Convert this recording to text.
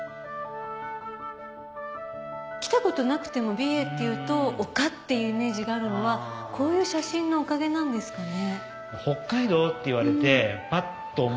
来たことなくても美瑛っていうと丘っていうイメージがあるのはこういう写真のおかげなんですかね？